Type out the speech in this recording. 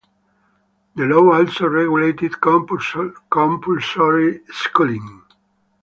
The law also regulated compulsory schooling.